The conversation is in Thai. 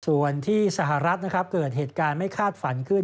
ส่วนที่สหรัฐนะครับเกิดเหตุการณ์ไม่คาดฝันขึ้น